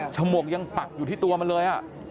ฉมวกยังปักอยู่ที่ตัวมันเลย